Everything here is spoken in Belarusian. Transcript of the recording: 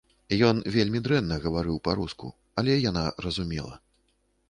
Ён вельмі дрэнна гаварыў па-руску, але яна разумела.